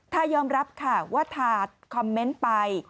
ยอมรับค่ะว่าถาดคอมเมนต์ไป